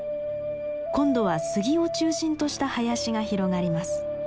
今度はスギを中心とした林が広がります。